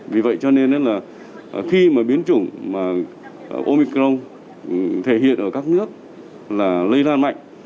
vì vậy cho nên là khi mà biến chủng omicron thể hiện ở các nước là lây ra mạnh